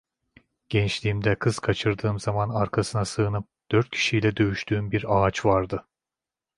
Gençliğimde kız kaçırdığım zaman arkasına sığınıp dört kişiyle dövüştüğüm bir ağaç vardı.